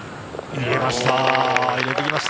入れてきました。